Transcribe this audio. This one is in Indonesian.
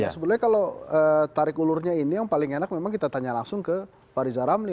sebenarnya kalau tarik ulurnya ini yang paling enak memang kita tanya langsung ke pak riza ramli